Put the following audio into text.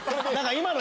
今の。